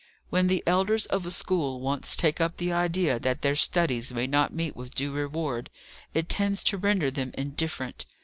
When the elders of a school once take up the idea that their studies may not meet with due reward, it tends to render them indifferent.